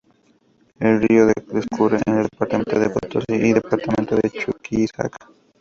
El río discurre por el departamento de Potosí y departamento de Chuquisaca.